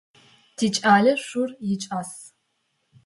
Тикӏалэ шӏур икӏас.